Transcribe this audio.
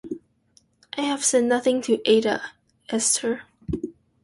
I have said nothing to Ada, Esther.